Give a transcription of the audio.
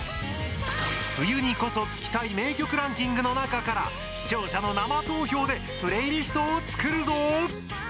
冬にこそ聴きたい名曲ランキングの中から視聴者の生投票でプレイリストを作るぞ！